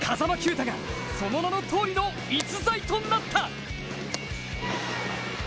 打がその名のとおりの逸材となった。